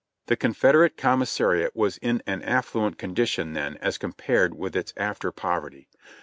The Confederate Commissariat was in an affluent condition then as compared with its after poverty.